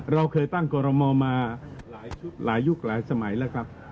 เราเคยตั้งกรมมาหลายยุคหลายสมัยแล้วครับ